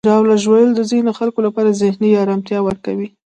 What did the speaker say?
ژاوله ژوول د ځینو خلکو لپاره ذهني آرامتیا ورکوي.